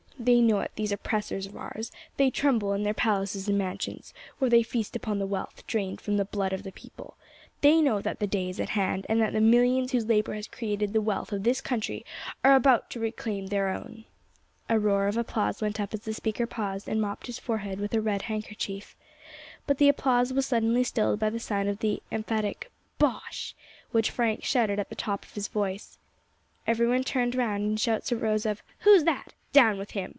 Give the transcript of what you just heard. They know it, these oppressors of ours; they tremble in their palaces and mansions, where they feast upon the wealth drained from the blood of the people. They know that the day is at hand, and that the millions whose labour has created the wealth of this country are about to reclaim their own." A roar of applause went up as the speaker paused and mopped his forehead with a red handkerchief. But the applause was suddenly stilled by the sound of the emphatic "Bosh!" which Frank shouted at the top of his voice. Every one turned round, and shouts arose of "Who is that?" "Down with him!"